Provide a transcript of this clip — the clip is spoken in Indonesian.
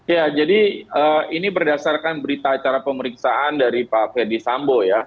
ya jadi ini berdasarkan berita acara pemeriksaan dari pak ferdi sambo ya